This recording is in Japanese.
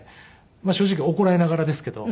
正直怒られながらですけど。